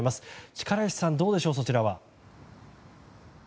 力石さん、どうでしょうそちらは。